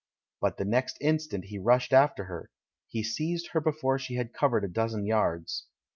But the next instant he rushed after her; he seized her before she had covered a dozen yards.